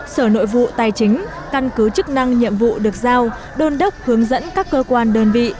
sở nội vụ tài chính căn cứ chức năng nhiệm vụ được giao đôn đốc hướng dẫn các cơ quan đơn vị